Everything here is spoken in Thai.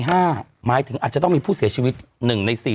หมายถึงอาจจะต้องมีผู้เสียชีวิต๑ใน๔